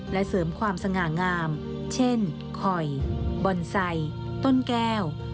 และเสริมความสง่างามเช่นคอยบอนไซค์ต้นแก้ว